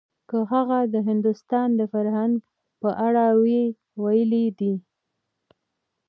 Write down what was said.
که هغه د هندوستان د فرهنګ په اړه وی ويلي دي.